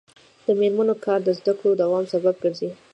د میرمنو کار د زدکړو دوام سبب ګرځي.